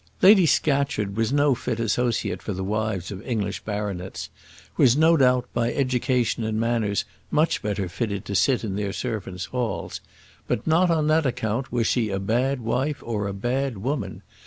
Lady Scatcherd was no fit associate for the wives of English baronets; was no doubt by education and manners much better fitted to sit in their servants' halls; but not on that account was she a bad wife or a bad woman.